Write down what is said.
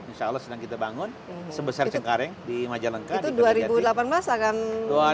insya allah sedang kita bangun sebesar cengkareng di majalengka